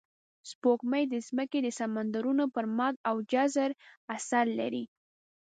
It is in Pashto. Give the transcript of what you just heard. سپوږمۍ د ځمکې د سمندرونو پر مد او جزر اثر لري